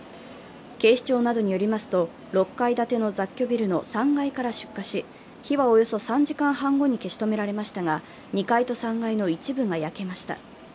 警視庁などによりますと、６階建ての雑居ビルの３階から出火し火はおよそ３時間半後に消し止められましたが２階と３階の一部が焼けました。